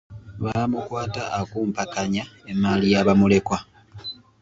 Baamukwata akumpakanya emmaali ya bamulekwa.